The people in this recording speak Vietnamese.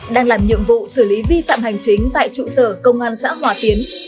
đang làm nhiệm vụ xử lý vi phạm hành chính tại trụ sở công an xã hòa tiến